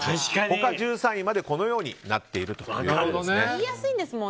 他１３位までこのようになっているということです。